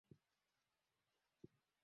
ic dare s salam tanzania